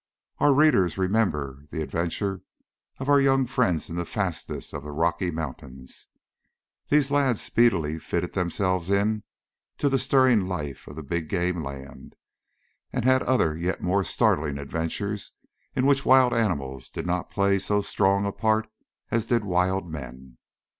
Our readers remember the adventures of our young friends in the fastnesses of the Rocky Mountains. These lads speedily fitted themselves into the stirring life of the big game land, and had other yet more startling adventures in which wild animals did not play so strong a part as did wild men.